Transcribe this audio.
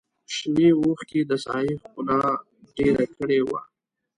شنې وښکې د ساحې ښکلا ډېره کړې وه.